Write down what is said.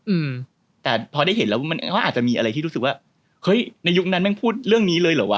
อืมแต่พอได้เห็นแล้วมันก็อาจจะมีอะไรที่รู้สึกว่าเฮ้ยในยุคนั้นแม่งพูดเรื่องนี้เลยเหรอวะ